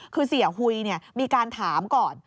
คือเสียหุยมีการถามก่อน